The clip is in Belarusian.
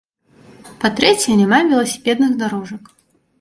Па-трэцяе, няма веласіпедных дарожак.